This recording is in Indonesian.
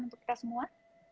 untuk kita semua